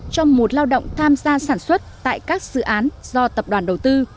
cho một lao động tham gia sản xuất tại các dự án do tập đoàn đầu tư